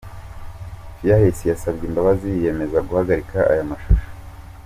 Fearless yasabye imbabazi, yiyemeza guhagarika aya mashusho.